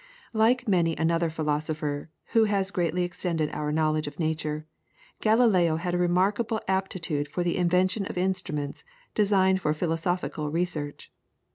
Like many another philosopher who has greatly extended our knowledge of nature, Galileo had a remarkable aptitude for the invention of instruments designed for philosophical research.